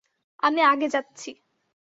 আমি আগে যাচ্ছি।